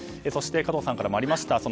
そして加藤さんからもありました